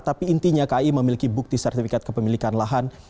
tapi intinya kai memiliki bukti sertifikat kepemilikan lahan